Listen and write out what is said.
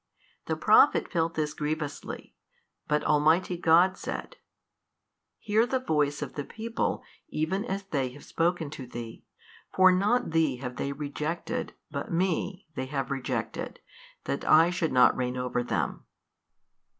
The Prophet felt this grievously but Almighty God said, Hear the voice of the people even as they have spoken to thee, for not thee have they rejected but Me they have rejected that I should not reign over them.